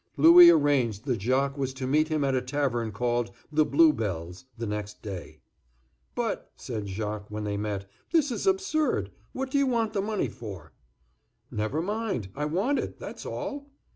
Louis arranged that Jacques was to meet him at a tavern called "The Blue Bells" the next day. "But," said Jacques, when they met, "this is absurd. What do you want the money for?" "Never mind, I want it, that's all."